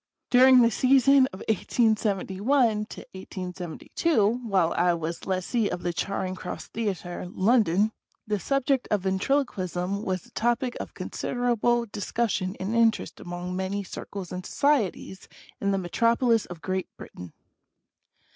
During the season of 18*71 2, while I was lessee of the Charing Cross Theatre, London, the subject of Ventriloquism was the topic of considerable discussion and interest among many circles and societies in the Metropolis of Great Britain.